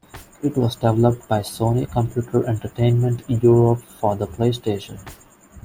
It was developed by Sony Computer Entertainment Europe for the PlayStation.